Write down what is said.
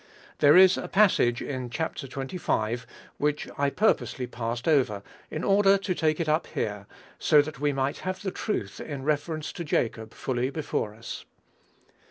There is a passage in Chap. xxv. which I purposely passed over, in order to take it up here, so that we might have the truth in reference to Jacob fully before us.